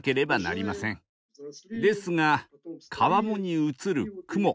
ですが川面に映る雲